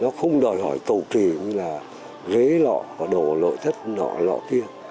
tức là không đòi hỏi cầu kỳ như là ghế lọ và đổ lội thất nọ lọ kia